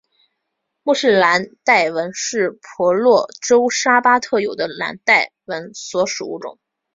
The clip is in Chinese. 莫氏蓝带蚊是婆罗洲沙巴特有的的蓝带蚊属物种。